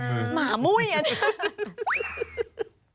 หมามุ้ยอันนี้